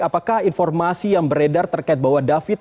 apakah informasi yang beredar terkait bahwa david